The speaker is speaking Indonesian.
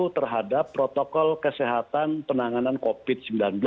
terhadap protokol kesehatan penanganan covid sembilan belas